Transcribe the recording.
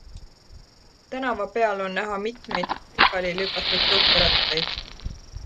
Tänava peal on näha mitmeid pikali lükatud tõukerattaid.